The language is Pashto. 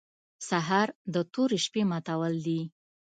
سهار د تورې شپې ماتول دي.